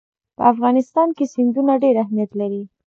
په افغانستان کې سیندونه ډېر اهمیت لري.